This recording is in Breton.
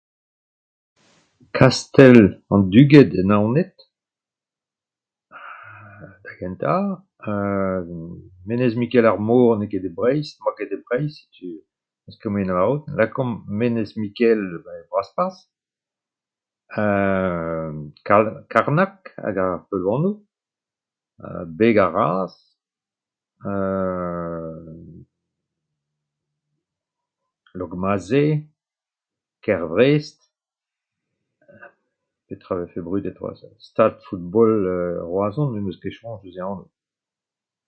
Kastell an Duged e Naoned euu da gentañ euu Menez-Mikael-ar-Mor n'eo ket e Breizh, n'emañ ket e Breizh, setu n'eus ket moien da lavarout. Lakaomp Menez-Mikael Brasparzh euu Karnag hag ar peulvanoù, Beg ar Raz euu Lokmazhe, kêr Vrest. Petra 'vefe brudet c'hoazh Stad football Roazhon met n'em eus ket soñj eus e anv.